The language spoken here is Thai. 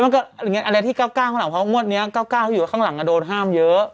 อ๋อหรออันแรกที่๙๙เพราะว่ามวดนี้๙๙อยู่ข้างหลังโดนห้ามเยอะ